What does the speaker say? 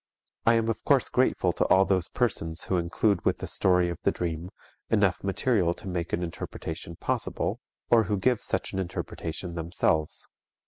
I am of course grateful to all those persons who include with the story of the dream, enough material to make an interpretation possible, or who give such an interpretation themselves.